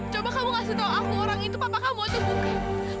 coba kamu kasih tahu aku orang itu papa kamu itu bukan